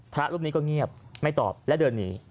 พระรูปนี้ก็เงียบไม่ตอบและเดินหนี